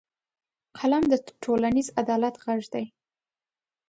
قلم د ټولنیز عدالت غږ دی